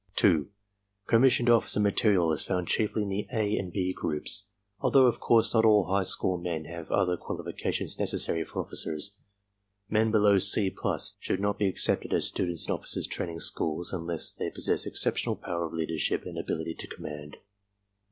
2. Commissioned officer material is found chiefly in the "A'' and "B" groups, although of course not all high score men have the other qualifications necessary for officers. Men below "C+ " should not be accepted as students in Officers' Training Schools unless they possess exceptional power of leadership and ability to command.